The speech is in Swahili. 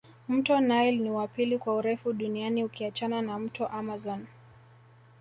Mto nile ni wa pili kwa urefu duniani ukiachana na mto amazon